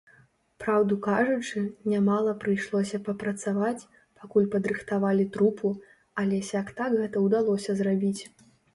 Праўду кажучы, нямала прыйшлося папрацаваць, пакуль падрыхтавалі трупу, але сяк-так гэта ўдалося зрабіць.